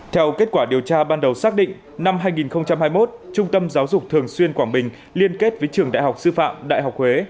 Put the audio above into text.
theo kết quả điều tra ban đầu xác định năm hai nghìn hai mươi một trung tâm giáo dục thường xuyên quảng bình liên kết với trường đại học sư phạm đại học huế